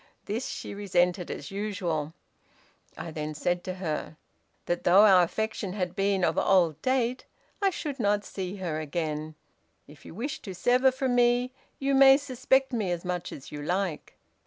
This she resented as usual. I then said to her, that though our affection had been of old date, I should not see her again; 'if you wish to sever from me you may suspect me as much as you like.